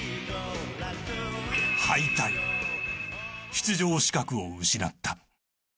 出場資格を失った。